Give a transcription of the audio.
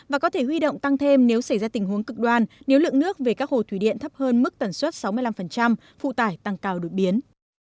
và có thể huy động tăng thêm nếu xảy ra tình huống cực đoan nếu lượng nước về các hồ thủy điện thấp hơn mức tần suất sáu mươi năm phụ tải tăng cao đột biến